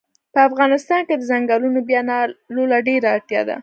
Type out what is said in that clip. په افغانستان کښی د ځنګلونو بیا نالولو ته ډیره اړتیا ده